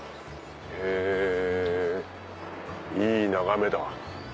へぇいい眺めだ。